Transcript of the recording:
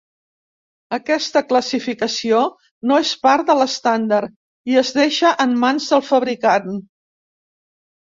Aquesta classificació no és part de l'estàndard, i es deixa en mans del fabricant.